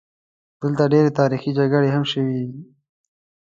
دلته ډېرې تاریخي جګړې هم شوي.